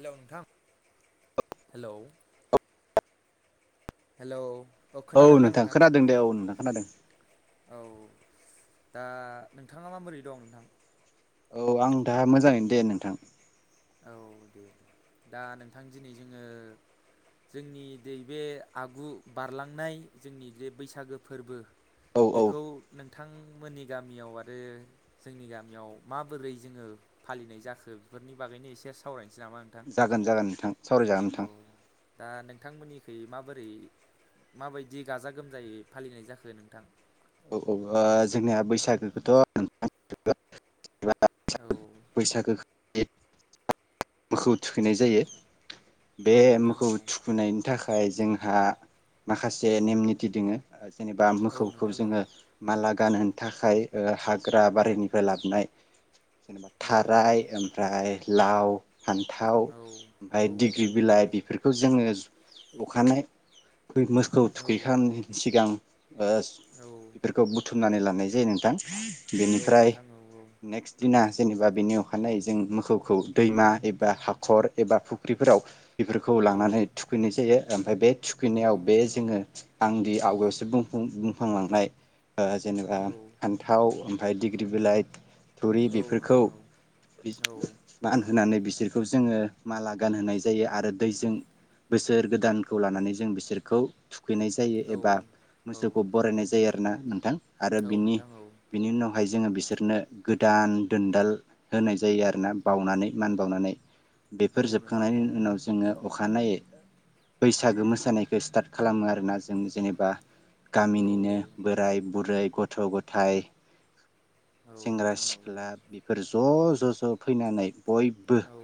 हेल' नोंथां हेल' हेल'। औ नोंथां खोनादों दे औ नोंथां खोनादों। औ दा नोंथाङा माबोरै दं नोंथां। औ आं दा मोजाङैनो दे नोंथां औ दे दे दा नोंथां दिनै जोङो जोंनि दै बे आगु बारलांनाय जोंनि बे बैसागो फोरबो। औ औ बेखौ नों। बिथांमोननि गामियाव आरो जोंनि गामियाव माबोरै जोङो फालिनाय जाखो बेफोरनि। बागैनो एसे सावराय। जागोन जागोन नोंथां सावरायजागोन औ नोंथां। दा नोंथांमोननिखै माबोरै माबायदि गाजा गोमजायै फालिनाय जाखो नोंथां? औ औ जोंनिया बैसागोखौथ' [unintelligible] औ बैसागो [unintelligible] मोखौ थुखैनाय जायो। औ बे नोंथां मोखौ औ थुखैनायनि थाखाय जोंहा माखासे नेम निथि दोङो। जेनेबा औ मोखौखौ नोंथां औ जोङो माला गानहोनो थाखाय ओ हाग्रा बारिनिफ्राय लाबोनाय औ थाराय ओमफ्राय लाव फान्थाव औ ओमफाय दिग्रि नोंथां औ बिलाइ बेफोरखौ जोङो अखानाय़ओइ दै मोसखौ औ थुखैखां सिगां ओ औ बेफोरखौ बुथुमनानै ला होननाय जायो नोंथां। औ बेनिफ्राय नोंथां औ नेक्स्ट दिना जेनेबा बेनि अखानायै जों मोखौखौ दैमा एबा हाखर एबा फुख्रिफोराव बेफोरखौ औ लांनानै थुखैनाय जायो ओमफाय बे औ थुखैनायाव बे नोंथां औ जोङो आंदि आवगायावसो बुंफुं-बुंफुंलांनाय ओ जेनेबा औ फान्थाव उम हाइ डिग्रि बिलाइ थुरि बिफ औ बिस औ मानहोनानै बिसोरखौ जोङो माला गानहोनाय जायो आरो दैजों बोसोर गोदानखौ लानानै जों बिसोरखौ थुख थुखैनाय जायो एबा मोसौखौ नोंथां बरायनाय जायो आरो ना नोंथां आरो औ बिनि नोंथां औ बिनि उनावहाय जोङो बिस बिसोरनो गोदान दोनदाल होनाय जायो आरोना बावनानै मान बावनानै औ बेफोर औ नोंथां जोबखांनायनि औ उनाव जोङो अ अखानायै बैसागो मोसानायखो स्टार्ट खालामो आरोना जों जेनेबा औ गामिनिनो बोराय बुरै गथ थ' गथाय सेंग्रा सिख्ला ज' ज' ज' फैनानै बयबो औ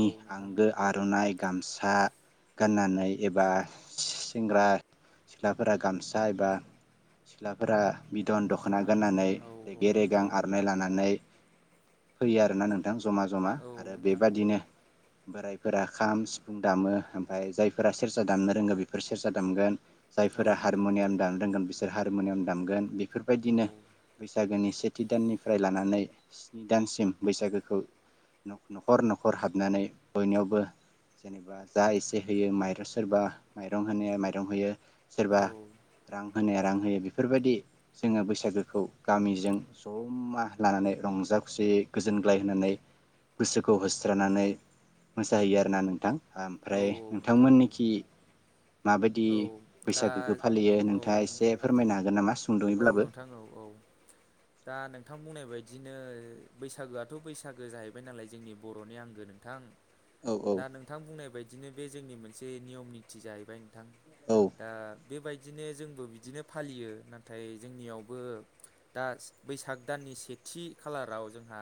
औ नोंथां औ आंगो आर'नाइ गामस सा गाननानै एबा सेंग्रा सिख्लाफोरा गामसा एबा सिख्लाफोरा बिदन दख'ना गाननानै औ औ रेगे रेगां नोंथां औ आर'नाइ लानानै फैयो आरोना नों थां जमा जमा औ आरो नोंथां औ बेबादिनो बोरायफोरा खाम सिफुं दामो ओमफाय जायफोरा सेरजा दामनो रोङो बेफोर सेरजा दामगोन औ जायफोरा नोंथां औ हारम'नियाम दामनो रोंगोन बिसोर हारमनियाम दामगोन बे फोरबायदिनो औ बैसागोनि से थि दाननिफ्राय लानानै स्नि दानसिम बैसागोखौ न' न'खर न'खर हाबनानै बयनियावबो जेनेबा जा एसे होयो माइरं सोरबा माइरं होनाया माइरं होयो सोरबा औ रां होनाया रां होयो बि बेफोरबायदि जोङो बैसागोखौ गामिजों ज'मा लानानै रंजा खुसियै गोजोनग्लाय होनानै गोसोखौ होस्रानानै मोसाहैयो आरोना नोंथां औ ओमफ्राय नोंथां औ नोंथांमोननिखि माबाय दि औ दा बैसागोखौ फालियो औ नोंथाङा एसे फोरमायनो हागोन नामा? औ सुंद'यैब्लाबो नोंथां औ औ दा नोंथां बुंनाय बाय बिदिनो बैसागोआथ' बैसागो जाहैबाय नालाय जोंनि बर'नि आंगो नोंथां औ औ दा नोंथां बुंनाय बायदिनो बे जोंनि मोनसे नियम निथि जाहैबाय थां औ दा बेबायदिनो जोंबो बिदिनो फालियो ना नाथाय जोंनियावबो दा बैसाग दाननि सेथि खालाराव जोंहा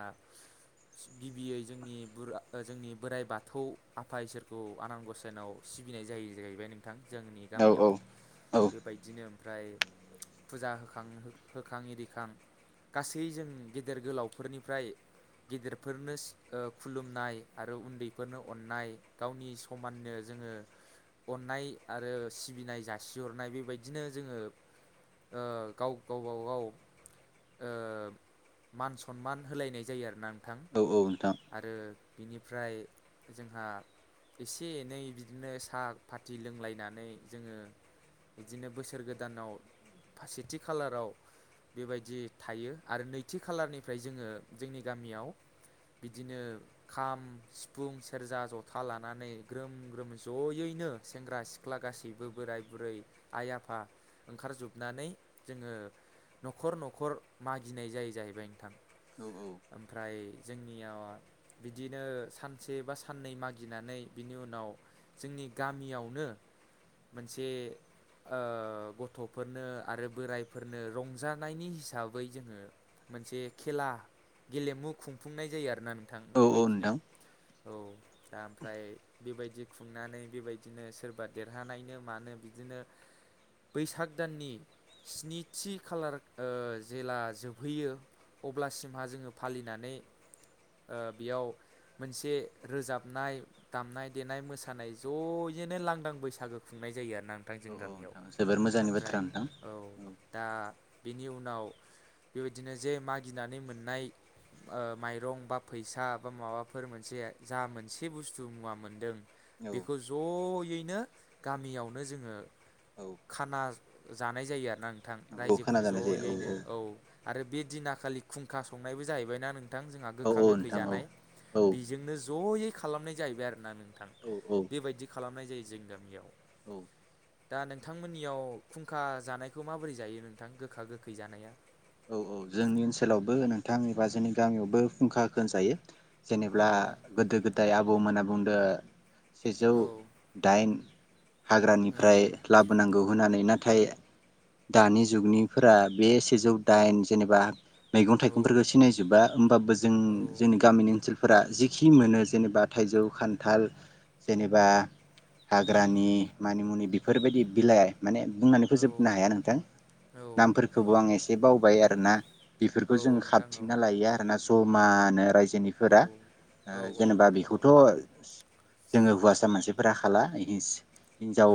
गिबियै जोंनि गुरु जोंनि बोराइ बाथौ आफा इसोरखौ आनान गसनाव सिबिनाय जायोै जाहैबाय नों थां जोंनि औ गामियाव औ बेबायदिनो ओमफ्राय फुजा होखां होखां इरिखां गासै जों गेदेर गोलावफोरनिफ्राय गेदेरफोरनो ओ खुलुमनाय आरो उन्दैफोरनो अननाय गावनि समाननो जोङो अननाय आरो सिबिनाय जासिहरनाय बेबायदिनो जोङो ओ गाव गाव बागाव ओ मान सनमान होलायनाय जायो आरोना थां औ औ नोंथां आरो बिनिफ्राय जोंहा एसे एनै बिदिनो साहा फाथि लोंलायनानै जोङो बिदिनो बोसोर गोदानाव बा सेथि खालाराव बेबायदि थायो आरो नैथि खालारनिफ्राय जोङो जोंनि गामियाव बिदिनो खाम सिफुं सेरजा जथा लानानै ग्रोम ग्रोम जयैनो सेंग्रा सिख्ला गासैबो बोराय बुरै आइ आफा ओंखार जोब नानै जोङो न'खर न'खर मागिनाय जायो जाहैबाय नोंथां औ औ ओमफ्राय जोंनियाव बिदिनो सानसे बा साननै मागिनानै बिनि उनाव जोंनि गामियावनो मोनसे ओ गथ' फोरनो आरो बोराइफोरनो रंजानायनि हिसाबै जोङो मोनसे खेला गेलेमु खुंफुंनाय जायो आरोना थां औ औ बेबायदिनो नोंथां औ दा ओमफ्राय बेबायदि खुंनानै बेबायदिनो सोरबा देरहानायनो मानो बिदिनो बैसाग दाननि स्निथि खालार ओ जेला जोबहैयो अब्लासिमहा जोङो फालिनानै ओ बेयाव मोनसे रोजाबनाय दामनाय देनाय मोसानाय ज'यैनो लांदां बैसागो खुंनाय जायो आरोना नों औ औ नोंथां जोबोर मोजां ओमफ्राय औ दा बेनि उनाव बेबायदिनो जे मागिनानै मोननाय ओ माइरं बा फैसा बा माबाफोर मोनसे जा मोनसे बुस्थु मुवा मोनदों औ बेखौ ज' यैनो गामियावनो जोंङो औ खाना जानाय जायो आरोना नोंथां औ रायजोफोर खोनाजानाय जायो ज'यैनो औ आरो बे दिना खालि खुंखा संनायबो जाहैबायनाा नों थां जोंहा औ गोखा औ गोखै नोंथां औ जानाय औ बेजोंनो जयै खालामनाय जाहैबाय आरो ना नों थां बेबायदि खालामनाय दैजिं गामियाव औ दा नोंथांमोननियाव कुंखा जानायखौ माबोरै जायो नोंथां गोखा गोखै जानाया औ औ जोंनि ओनसोलावबो नोंथां एबा जोंनि गामियावबो कुंखा खो जायो औ जेनेब्ला गोदो गोदाय आब आबौमोनना बुंदो सेजौ औ दाइन हाग्रानिफ्राय लाबोनांगौ होननानै नाथाय दानि जुगनिफोरा बे सेजौ दाइन जेनेबा मैगं औ थाइगंफोरखो सिनायजोबा होमबाबबो जों जोंनि औ गामिनि ओनसोल फोरा जिखिनि मोनो जेनेबा थाइजौ खान्थाल जेनेबा हाग्रानि मानि मुनि बेफोरबायदि बिलाइ माने बुंनानै फजोबनो हाया नोंथां औ औ नामफोरखौबो आं एसे एसे बावबाय आरोना औ बेफोरखो जों नोंथां औ खाबथिंना लायो आरोना जमानो रायजो औ निफोरा औ औ जेनेबा नोंथां औ बेखौथ' जोङो हौवासा मानसिफोरा खााला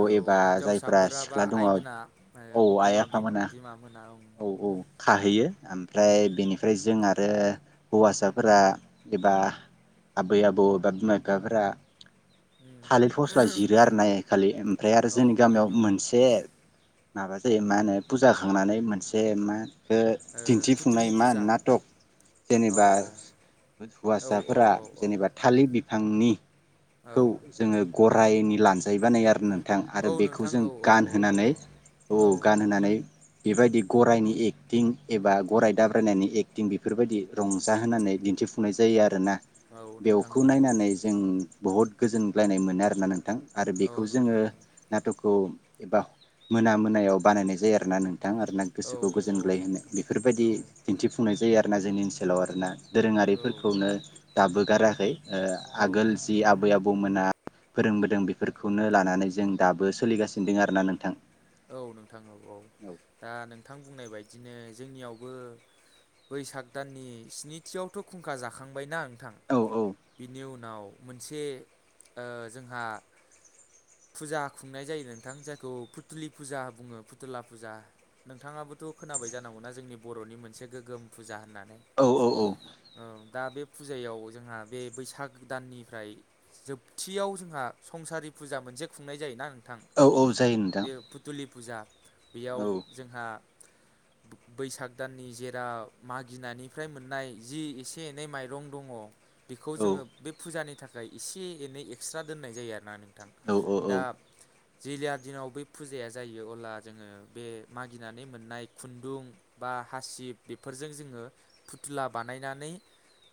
औ हिनजावसाफोराबा आइमोना ओ औ आइ बिमा बिफा आफामोना बिमा मोना औ खाहैयो ओमफ्राय बेनिफ्राय जोंहा ओ हौवासाफोरा एबा आबै आबौ एबा बिमा बिफाफोरा उम थालिर फस्ला जिरो आरो ना एखालि ओमफ्राय आरो औ जोंनि नोंथां औ गामियावबो ओ मोनसे माबा जायो मा होनो पुजााखांनानै मोनसे दे मा ओ दिन्थिफुंनाय फुथुलि मा फुजा नटक औ जेनेबा औ हौवासाफोरा औ औ जेनेबा थालिर थांनि औ खौ जोङो गर फ्रायनि लानजायोबानाय आरो ना थां औ आरो बेखौ नोंथां जों औ औ गानहोनानै औ गानहोनानै बेबायदि गराइनि एक्टिं एबा गराइ दाब्रायनायनि एक्टिं बेफोरबायदि रंजा होनानै दिन्थिफुंनाय जायो आरोना। औ नोंथां बेवखौ औ औ नायनानै जों बहुत गोजोनग्लायनाय मोनो आरोना नों थां आरो औ नोंथां औ बेखौ जोङो नोंथां औ नाथकखौ एबा मोना मोनायाव बानायनाय जायो आरो ना नोंथां आरो औ गोसोखौ गोजोनग्लाय होनो बेफोरबायदि दिन्थिफुंनाय जायो आ ना जोंनि ओनसोलाव आरोना दोरोङारिफोरखौनो दाबो गाराखै ओ आगोल जि आबै आबौमोना फोरोंबोदों बेफोरखौनो लानानै जों दाबो सोलिगासिनो दों आरोना नोंथां औ नोंथां नोंगौ औ दा नों थां बुंनाय बायदिनो जोंनियावबो बैसाग दाननि स्निथियावथ' खुंखा जाखांबाय ना थां औ बिनि उनाव मोनसे ओ जोंहा फुजा खुंनाय जायो नोंथां जायखौ फुथुलि फुजा बुङो फुथुला फुजा नोंथाङाबोथ' खोनाबाय जानांगौना जोंनि बर'नि मोनसे गोग्गोम फुजा होनना औ औ औ दा बे फुजायाव जोंहा बे बैसाग दाननिफ्राय जोबथियाव जोंहा संसारि फुजा मोनसे खुंनाय जायोना नों औ औ जायो नोंथां बेयो फुथुलि फुजा बेयाव औ जोंहा बैसाग दाननि जेरा मागिनायनिफ्राय मोननाय जि एसे एनै माइरं दङ बेखौ औ जोङो बे फुजानि थाखाय एसे एनै एक्सट्रा दोननाय जायो आरोना नों थां औ दा जिजा दिनाव बै फुजाया जायो अब्ला जोङो बे मागिनानै मोननाय खुन्दुं बा हासिब बेफोरजों जोङो फुथ्ला बानायनानै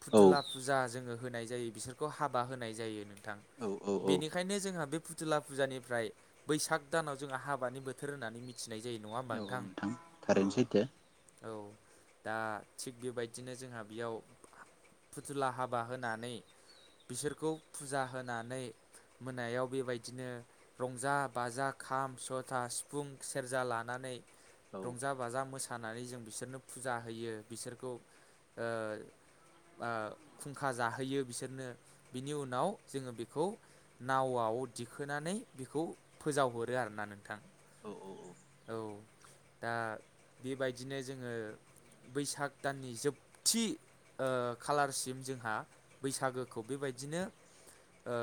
फुथुला फुजा जोङो होनाय जायो बिसोरखौ हाबा होनाय जायो नों थां। औ औ औ औ बेनिखायनो जोंहा बे फुथुला फुजानिफ्राय बैसाग दानाव जोंहा हाबानि बोथोर होननानै मिथि औ औ नोंथां थारैनो सैथो। औ दा थिग बेबायदिनो जोंहा बेयाव फुथुला हाबा होनानै बिसोरखौ फुजा होनानै मोनायाव बेबायदिनो रंजा बाजा खाम जथा सिफुं सेरजा लानानै औ रंजा बाजा मोसा नानै जों बिसोरनो फुजा होयो बिसोरखौ ओ खुंखा जाहोयो बिसोरनो बिनि उनाव जोङो बेखौ नावआव दिखोनानै बेखौ फोजावह रो आरो ना नोंथां। औ दा बेबायदिनो जोङो बैसाग दाननि जोबथि ओ खालारसिम जोंहा बैसागोखौ बेबायदिनो ओ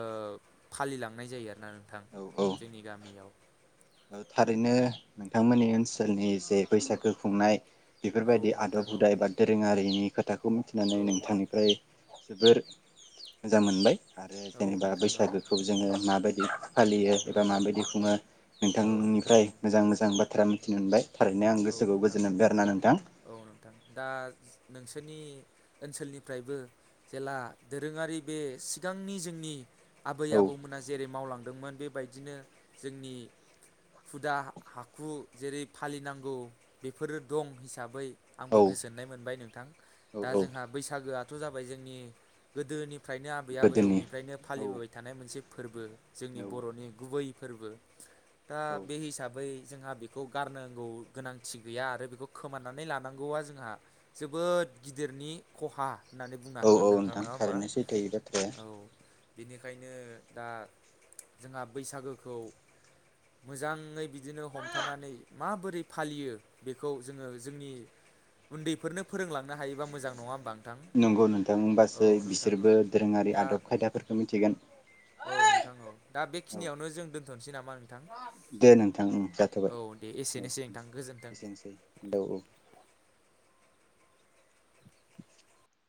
फालिलांनाय जायो आरो दा नोंथां औ औ जोंनि गामियाव थारैनो नोंथांमोननि ओनसोलनि जे बैसागो खुंनाय औ बेफोरबायदि नोंथां आदब औ हुदा एबा दोरोङारिनि खोथाखौ मिथिनानै औ नोंथांनिफ्राय जोबोर मोजां मोनबाय। आरो औ जेनेबा नोंथां औ बैसागोखौ जोङो माबोय दि फालियो औ एबा माबायदि खुङो? औ नोंथां नोंथांनिफ्राय औ मोजां मोजां बा थ्रा मिथिनो मोनबाय। थारैनो आं औ गोसोखौ नोंथां गोजोननाय औ मोनबाय आरोना नोंथां औ नोंथां दा नोंसोरनि ओनसोलनिफ्रायबो जेला दोरोङारि बे सिगांनि जोंनि आबै औ आबौमोना जेरै मावलां दोंमोन बेबायदिनो जोंनि हुदा हाखु जेरै फालिनां गौ बेफोरो दं हिसाबै औ आंबो गोजोननाय मोनबाय नोंथां औ दा औ जोंहा बैसागोआथ' जाबाय जोंनि गोदोनि फ्रायनो आबै आबो गोदोनि जौनिफ्रायनो औ फालिबोबाय था थानाय मोनसे फोरबो जोंनि औ बर'नि गुबै फोरबो दा औ बे हिसाबै जोंहा बेखौ गारनांगौ गोनांथि गैया आरो बेखौ खोमानानै लानांगौआ जोंहा जोबोद गिदिरनि खहा होननानै बुंनो औ हागोन औ नोंथां नङा होमबा थारैनो सैथो बे बाथ्राया औ। बेनिखायनो दा जोंहा बैसागोखौ मोजाङै बिदिनो हमथानानै माबोरै फालियो बेखौ जोङो जोंनि उन्दैफोरनो फोरोंलांनो हायोबा मोजां नङा होमबा? नोंथां? नंगौ नोंथां औ ओमबासो नोंथां औ। बिसोरबो दोरोङारि दा आदब खायदाफोरखौ मिथिगोन। औ नोंथां औ दा औ बेखिनियावनो जों दोन्थ'नोसै नामा नोंथां? दे नोंथां उ जाथ'बाय औ दे औ एसेनोसै नोंथां गोजोन्थों। एसेनोसै औ औ।